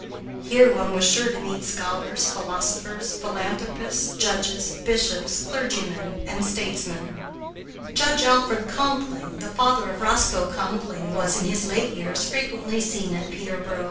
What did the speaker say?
Here one was sure to meet scholars, philosophers, philanthropists, judges, bishops, clergymen, and statesmen. Judge Alfred Conkling, the father of Roscoe Conkling, was, in his late years, frequently seen at Peterboro.